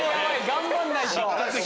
頑張んないと。